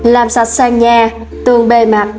làm sạch sang nhà tường bề mặt